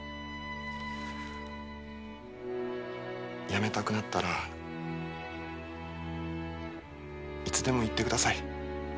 やめたくなったらいつでも言ってください。